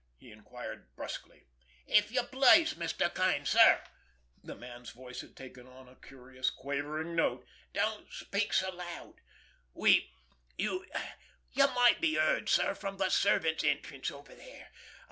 he inquired brusquely. "If you please, Mr. Kane, sir"—the man's voice had taken on a curious, quavering note—"don't speak so loud. We—you—you might be heard, sir, from the servants' entrance over there.